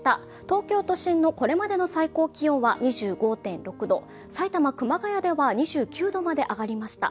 東京都心のこれまでの最高気温は２５．６度、埼玉・熊谷では２９度まで上がりました。